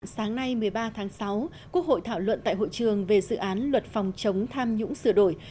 sáng nay một mươi ba tháng sáu quốc hội thảo luận tại hội trường về dự án luật phòng chống tham nhũng sửa đổi